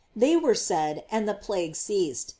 They were said, and the plague ceased.